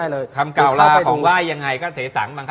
เล็กเล็กเล็กเล็กเล็กเล็กเล็กเล็กเล็ก